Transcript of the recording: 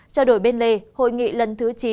trao đổi bên lề hội nghị lần thứ chín